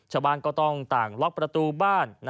ชาวบ้านก็ต้องต่างล็อกประตูบ้าน